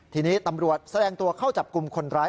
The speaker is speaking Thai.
ทีนี้ตำรวจแสดงตัวเข้าจับกลุ่มคนร้าย